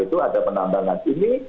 itu ada penambangan ini